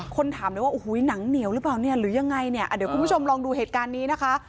คนถามเลยว่าโอ้โหหนังเหนียวหรือเปล่าเนี่ยหรือยังไงเนี่ยเดี๋ยวคุณผู้ชมลองดูเหตุการณ์นี้นะคะ